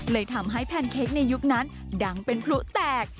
เลยทำให้แพนเค้กในยุคนั้นดังเป็นพลุแตก